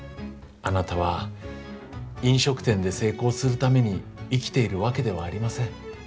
あなたは飲食店で成功するために生きているわけではありません。